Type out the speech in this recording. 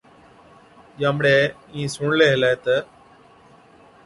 ڄامڙَي اِين سُڻلَي هِلَي تہ،